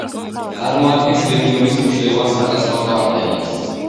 წარმოადგენს რეგიონის მნიშვნელოვან სატრანსპორტო არტერიას.